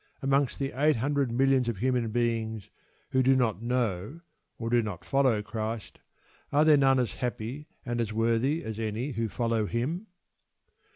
Amongst the eight hundred millions of human beings who do not know or do not follow Christ, are there none as happy and as worthy as any who follow Him?